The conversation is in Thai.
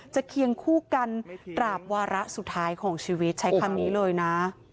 เคียงคู่กันตราบวาระสุดท้ายของชีวิตใช้คำนี้เลยนะ